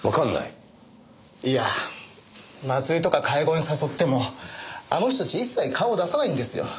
いや祭りとか会合に誘ってもあの人たち一切顔を出さないんですよ。